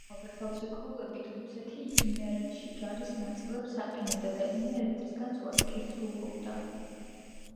ამავე ხელშეკრულებით, რუსეთი იმერეთში ჯარის ნაწილებს აყენებდა და იმერეთის დაცვას კისრულობდა.